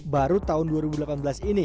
baru tahun dua ribu delapan belas ini